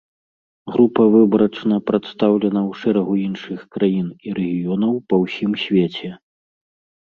Група выбарачна прадстаўлена ў шэрагу іншых краін і рэгіёнаў па ўсім свеце.